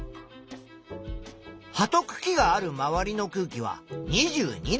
葉とくきがある周りの空気は２２度。